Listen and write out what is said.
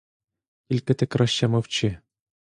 Тільки ти краще мовчи!